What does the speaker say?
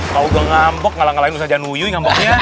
kau udah ngambok ngalah ngalain ustaz januyuy ngamboknya